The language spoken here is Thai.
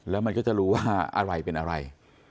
แล้วมันก็จะรู้ว่าอะไรเป็นอะไร